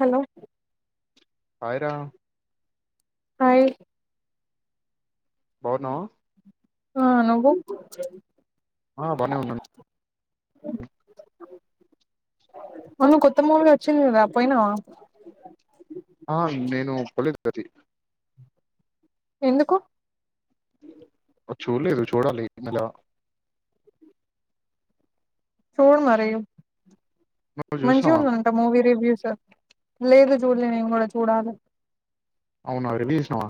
Hello హాయిరా hi బావున్నవా. ఆ నువ్వు. ఆ బానే ఉన్నాన్. అవును కొత్త మూవీ వచ్చింది కదా పోయినవా. కది ఎందుకు చూడలేదు చూడాలి ఇనెలా చూడు మరీ నువ్వు మంచిగ చూసినావా ఉందంట మూవీ రివ్యూస్ లేదు చూడలే నేను గూడా చూడాలి. అవునా రివ్యూ చూసినవా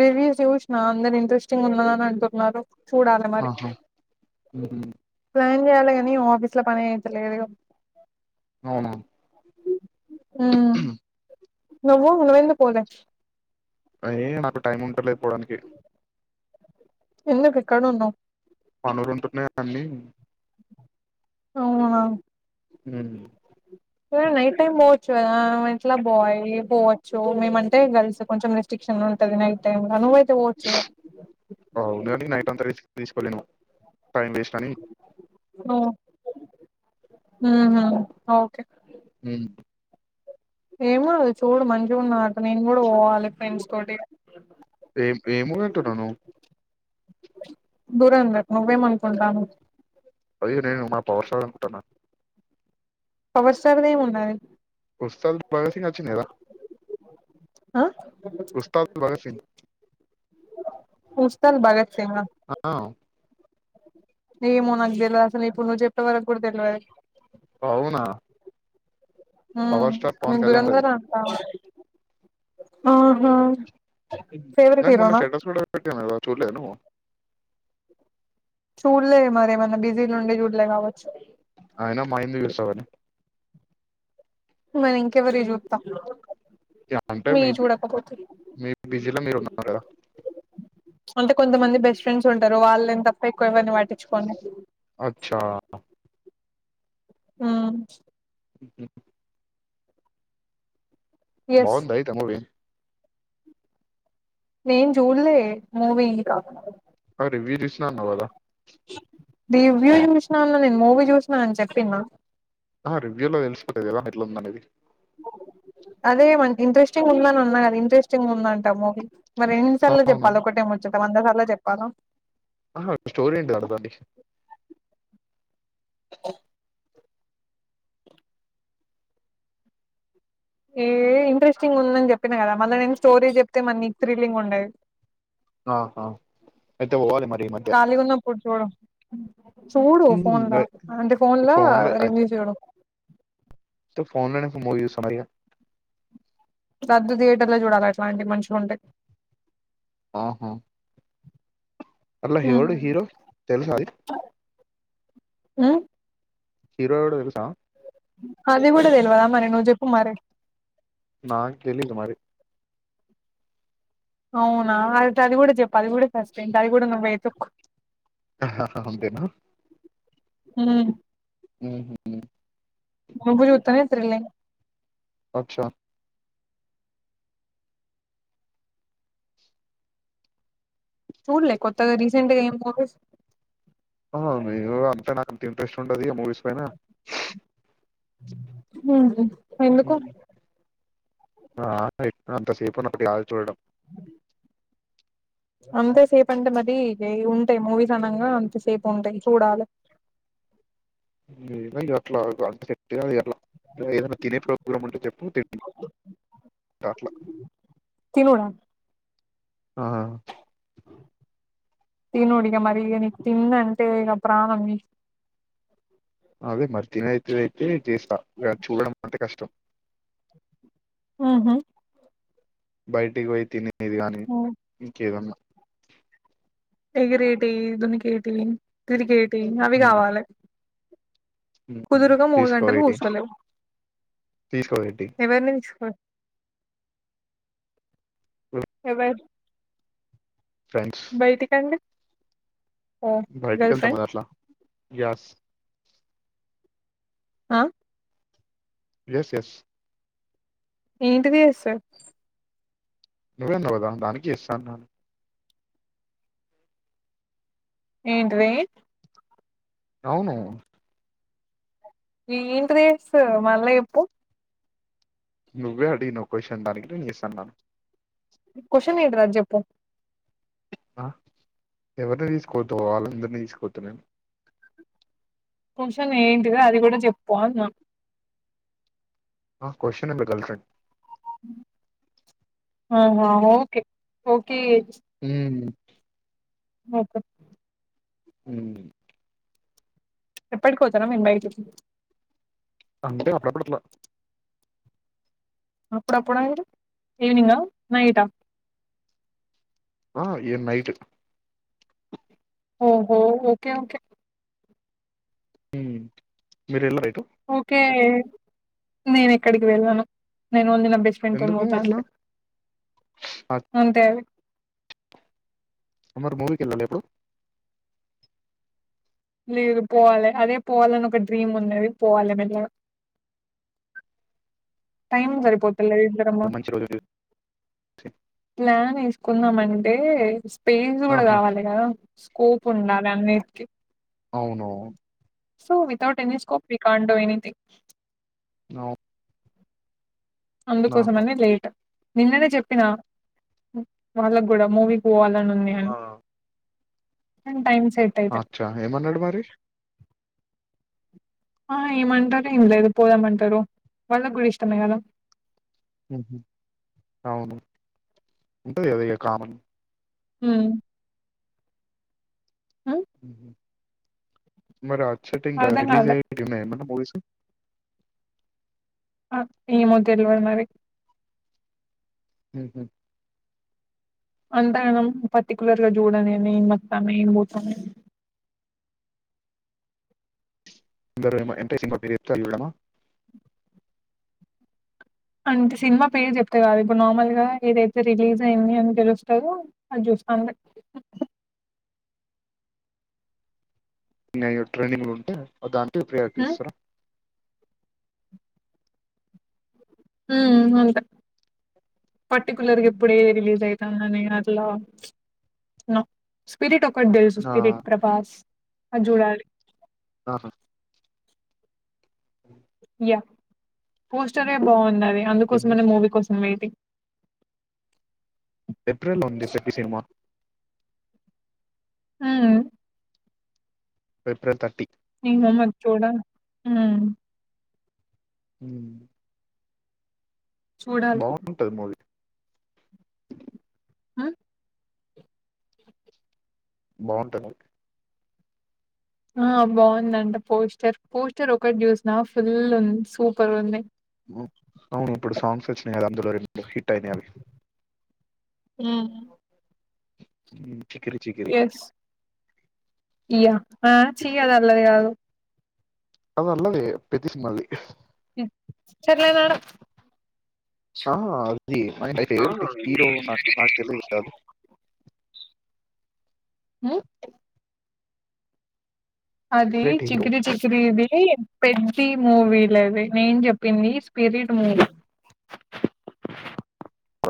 రివ్యూస్ చూసిన అందరు ఇంట్రెస్టింగ్ ఉన్నదని అంటున్నారు. చూడాలా మరి ఆహా మ్మ్ [unintelligible] పు చెయాల గాని ఆఫీస్ లో పనే అయితలేదుగా అవునా మ్మ్ నువ్వు నువ్వెందుకు పోలె? అయయో నాకు టైం ఉంటలేదు పోడానికి. ఎందుకు ఇక్కడున్నావ్? పనులు ఉంటున్నాయి అన్నీ ఆ హ్ము నైట్ టైమ్ పోవచ్చు కదా నువ్వు ఎట్ల బాయ్ వి పోవచ్చు, మేమంటే గర్ల్స్ కొంచెం రెస్ట్రిక్షన్ ఉంటది నైట్ టైమ్ నువ్వై అవునండి నైట్ అంత రిస్క్ తీసుకోలేను. టైం వేస్ట్ అనీ మ్మ్ హు ఓకే హ్మ్ ఏముంది చూడు మంచిగున్న నేను కూడ వోవాలి ఫ్రెండ్స్ తోటి ఏం ఏ మూవి అంటున్నవు నువు ధురంధర్, నువ్వేంమనుకుంటానవ్? అదే నేను మా పవర్ స్టార్ అనుకుటనా పవర్ స్టార్ ది ఏమి ఉన్నది? వస్తాద్ భగత్ సింగ్ వచ్చింది కదా ఆ ఉస్తాద్ భగత్ సింగ్ ముస్తల్ భగత్ సింగా? ఆ ఏమో నాకు తెల్వదు అసలు ఇప్పుడు నువ్వు చెప్పే వరకు కూడ తెల్వది. అవునా పవర్ స్టార్ మ్మ్ పవన్ కళ్యాణ్ అది ధురంధర్ అంటా ఆ హా నేన్ మోన్న స్టేటస్ కూడ పెట్టిన కదా చూడ్లేద నువ్వు? చూడ్లే మరి ఏమన్న బిజీలుండి చూడ్లే కావచ్చు. అయిన మాయి ఎందుకు చూస్తవ్ గాని మరి ఇంకెవరివి జూత్త యా అంటే మేబీ మీ బిజీల మీరు ఉన్నరు కదా. అంటే కొంతమంది బెస్ట్ ఫ్రెండ్స్ ఉంటారు వాళ్ళని తప్ప ఎక్కువ ఎవన్ని పట్టించుకోను నే అచ్చా మ్మ్ ఎస్ బాగుంద అయితె మూవి నేను జూల్లే మూవి ఇంకా ఆ రివ్యూ చూసిన అన్నావు కదా రివ్యూ చూసినా అన్న నేను మూవీ చూసినా అని చెప్పిన్న ఆ రివ్యూ లో తెలిసిపోతది ఎలా ఎట్లా ఉంద అనేది అదే మ ఇంట్రెస్టింగ్ ఉందని అన్న కదా ఇంట్రెస్టింగ్ ఉందంట మూవీ మరిన్ని సార్లు అవునా చెప్పాలి ఒకటేం వచ్చట వంద సార్లు చెప్ప క ఆ స్టోరీ ఉంటడు దడి ఏ ఇంట్రెస్టింగ్ ఉందని చెప్పిన కదా మళ్ళా నేను స్టోరీ చెప్తే మళ్ళీ థ్రిల్లింగ్ ఉండది ఆహా అయితే పోవాలి మరి ఈ మధ్య అ చూడు ఉమ్, ఫోన్లా అంటే ఫోన్లా ఫోన్ లో రివ్యూ చూడు ఫోన్లో మూవీ చూస్తానా ఇగ పెద్దు థియేటర్ లో చూడాలి అట్లాంటివి మంచిగా ఉంటాయి ఆహా అలా హోడు హీరో తెలుస అయి ఆ హీరో ఎవడో తెలుసా అది కూడా తెలువద మరి ను మరి నాకు తేలేదు మరి అవునా అది కూడా చెప్పు అది కూడా ఫస్త ఏంటి అది కూడా నువ్వే ఎత్తుకొ అంతిన ఆ ఉ [inaudible] అచ్చా చూడలే కొత్తగా రీసెంట్గా ఏం మూవీస్ అవున అంతిన ఇంట్రెస్ట్ ఉండది ఈ మూవీస్ పైన హ ఎందుకు ఆ అంతసేపు ఉన్నప్పుడు కాదు చూడడం అంతే సేపు అంటే మది ఉంటాయి మూవీస్ అనగా అంత సేపు ఉంటాయి చూడాలి ఏవో అట్లా అ లా ఏదన్నా తినే ప్రోగ్రాం ఉంటే చెప్ప తి కాలా తినుడా ఆ తినుడిగా మరీ ఇగ నీక్ తిండి అంటే ఇగ ప్రాణం నీక్. అదే మరి. తినేటిదయితే చేస్తా ఇగా చూడడం అంటే కష్ టం. ఊ హు. బయటిగ్ పోయి తిని. బిర్యానీ ఇంకేదన్నా. ఎగిరేటియీ, దునికేటియీ, తిరిగేట్ టియి ఉమ్ అవ్విగావాలె. ఉమ్ కుదురుగా మూడు గంటలు తీసుకోవేటి కూసోలేవ్. తీసుకోవేటి ఎవర్ నిల్చోలె. ఎవరు బయటికండి. ఓ గర్ల్ బయటికెల్తం ఫ్రెండ్ గట్లా. గ్యాస్. ఆ ఎస్ ఎస్ ఏంటిది ఎస్స నువ్వే అన్నావ్ గదా దానికి ఎస్ అన్నాను. ఏంటిదీ. అవునూ. ఏంటిది ఎస్ ఆ మళ్ళ చేప్పు. నువ్వే అడిగినవ్ క్వశ్చన్ దానికి నేన్ ఎస్ అన్నాను. క్వశ్చన్ ఏంట్రా అది చెప్పు. ఆ ఎవరిని తీసుకపోతవ్ వాళ్ళందరినీ తీసుకపోత నేన్. క్వశ్చన్ ఏంటిది అది గూడ చెప్పు అన్న. ఆ క్వశ్చన్ ఎమ్లేద్ గల్ఫ్రెండ్. ఆహా ఓకే ఓకే. ఉమ్మ్ ఒకే ఊ ఎప్పటికి పోతారా మీరు బయటికి. అంటే అప్పుడప్పుడు అట్లా. అప్పుడప్పుడు అంటే ఈవినింగా నైటా. ఆ ఇగ నైట్. ఓహో. Okay okay. హ్మ్ మిరెల్లర ఐత్ ఓకే నేనెక్కడికి వెళ్ళను. నేను ఓన్లీ న బెస్ట్ ఫ్రెండ్ తోని ఎందుకు పోతా అట్లా? అంతే అద్ అంతే అది మరి మూవీకిల్లెలె ఎప్పుడు లేదు పోవాలి అదే పోవాలని ఒక డ్రీమ్ ఉన్నది పోవాలి మెల్లగా టైం సరిపోదు పర్లేదు ఇక్కడమ్మ మంచి రోజు చూసి. నాన తీసు కొందమంటే పేజస్ కూడా ఆహా! కావాలి కదా కోపు ఉండాలి అనిటికి అవును so without any scope we can do anything అవు ఆహా! అందుకోసంమన్న లేట్ నిన్ననే చెప్పినా వాళ్ళకు కూడా మూవీ పోవాల నున్నాని ఆ! టైమ్స్ అచ్చా ఏమన్నాడు మరి ఆ ఏమంటారు ఏం లేదు పోదామంటారు వాళ్ళకి కూడా ఇష్టమే కదా అవును ఉంటది కదా ఇగ కామన్ ఉం హ [inaudible] మరా సెట్టింగ్ అర్థం రిలీజ్ కాలే అయే మన మూ స ఆ ఏమో తెల్వదు మరి ఉహు అంతా గనం పర్టికులర్ గా చూడ నని ఏం వస్తానయి ఏం పోతాన్నాయి అని ఎందరు ఎమో సినిమా పేరు చెప్తే చూడవా అంటే సినిమా పేరు చెప్తే కాదు ఇప్పుడు నార్మల్గా ఏదైతే రిలీజ్ అయింది అని తెలుస్తుందో అది చూస్తా అంతే ఇయ ట్రైనింగ్లు ఉంటా దా ప్రయార్టీస్ అ అంతా పర్టిిక్యులర్ గా ఎప్పుడే రిలీజ్ అయితాంది అలా స్పిరిట్ ఒక్కటి తెలుసు ఆ! స్పిరిట్ ప్రభాస్ అజూడాలి ఆహా అ [inaudible] యా పోస్టరే బాగున్నది అందుకోసం అనే మూవీ కోసం వెేటింగ్ ఏప్రిల్‌లో ఉంది 'పెద్ది' సినిమా. ఆం ఏప్రిల్ థర్టీ ఇ మమ్మ చూడాను ఉం ఉ చూడాలి బాగుంటది మూవీ ఆ బాగుంటది ఆ బాగుందంట పోస్టర్ పోస్టర్ ఒకటి చూసిన ఫుల్ ఉంది సూపర్ ఉంది అవును ఇప్పుడు సాంగ్స్ వచ్చినాయి కదా అందులో రె హిట్ అయినాయి అవి ఉ ఉ ఎస్ యా ఆ చి అది అల్లది కాదు అది అల్లదే పెద్ది సినిమాలది చెర్లే నాడు ఆ అది హీరో నాకు నాకు తెలియదు కా అదు ఆ అది ఫేవరెట్ హీరో చికిరి చికిరి ఇది ఏ పెద్ది మూవీలది నేను చెప్పింది స్పిరిట్ మూవీ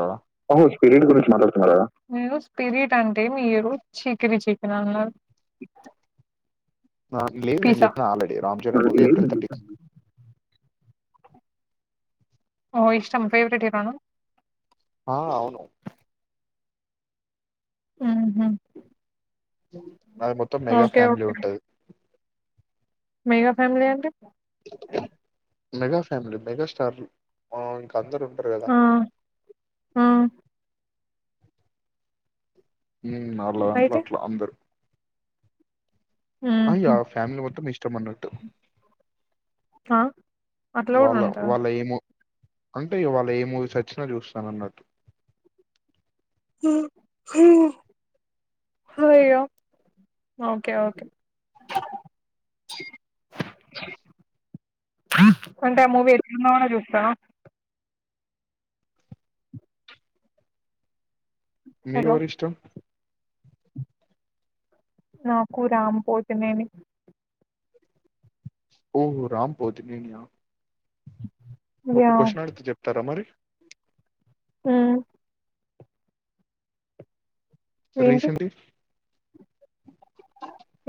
ఆ! అవుశు స్పిరిట్ గురించి మాట్లాడుతున్నారా నేను స్పిరిట్ అంటే మీరు చికిరి చికిరి అన్నారు ఆన్ లీ నేను పిసా చెప్పిన ఆల్రెడీ రామ్ చరణ్ మరి మూవి ఏప్రిల్ తెర్టీ ఏం ఓ ఇష్టం ఫేవరెట్ హీరో నా ఆ అవును ఆహా నాకు మొత్తం మెగా ఫ్యామిలీ ఓకే. ఉంటది మెగా ఫ్యామిలీ అంటే మెగా ఫ్యామిలీ మెగాస్టార్ లు పవక్ అందరూ ఉంటారు కదా ఆ! ఆ! ఉ నాలుగు గంటలు అయితే? అట్లా అందరు అయ్య హుహు. ఫ్యామిలీ మొత్తం ఇష్ట త మన్నట్టు ఆ అట్లా కూడా ఉంటారా వాళ్ళ ఏమో అంటే ఇవాళ ఏ మూవీస్ వచ్చినా చూస్తానన్నట్టు అయ్యో ఓకే ఓకే అంటే మూవీ ఎట్ల ఉన్న కూడ చూస్తావా మీకు హలో! ఎవరు ఇష్టం నాకు రామ్ పోతునేమి ఓహో రామ్ పోతి నేనియా ఒక యాహ్! క్వశ్చన్ అడితే చెప్తారా మరి ఉమ్ ఏంటి? రీసెంట్లీ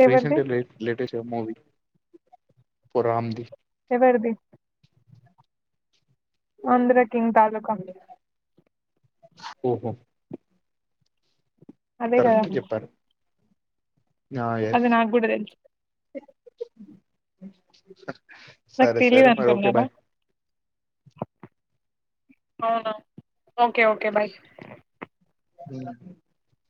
ఎవరిది? రీసెంట్ లే లేటెస్ట్ మూవీ ఫరామది ఎవరిది అంద్రకింగ్ తలుకా ఓహో అదే కరెక్ట్ చెప్పారు ఆ అద ఎస్ నా కూడాడ తెన్స నాకు సరే తెలిదు సరే మరి ఓకే అనుకున్నాార బాయ్ అవునా ఓకే ఓకే బాయ్ ఉమ్